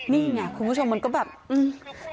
นี่ไงคุณผู้ชมมันก็แบบเกียรติการเหถี่ยงกัน